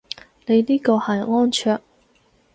你呢個係安卓